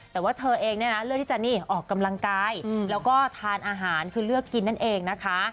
แต่ว่าเธอเองเนี่ยนะเลือกที่จะนี่ออกกำลังกายแล้วก็ทานอาหารคือเลือกกินนั่นเองนะคะ